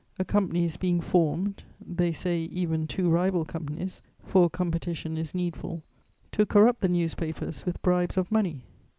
A company is being formed (they say even two rival companies, for competition is needful) to corrupt the newspapers with bribes of money.